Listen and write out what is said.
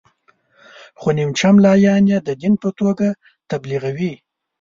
خو نیمچه ملایان یې د دین په توګه تبلیغوي.